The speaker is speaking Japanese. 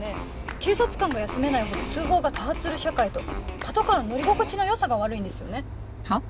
警察官が休めないほど通報が多発する社会とパトカーの乗り心地の良さが悪いんですよね。は？